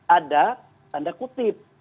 ada tanda kutip